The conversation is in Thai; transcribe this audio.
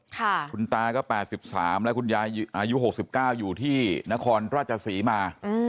ค่ะคุณตาก็แปดสิบสามและคุณยายอายุหกสิบเก้าอยู่ที่นครราชสีมา